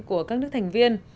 của các nước thành viên